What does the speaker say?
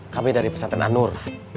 kami dari pesantren anur